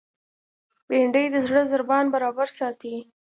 بېنډۍ د زړه ضربان برابر ساتي